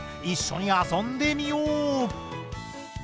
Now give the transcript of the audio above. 一緒に遊んでみよう！